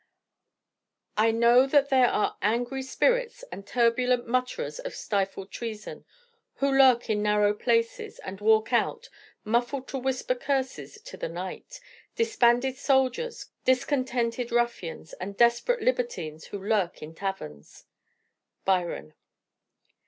"I know that there are angry spirits And turbulent mutterers of stifled treason, Who lurk in narrow places, and walk out Muffled to whisper curses to the night. Disbanded soldiers, discontented ruffians And desperate libertines who lurk in taverns." BYRON.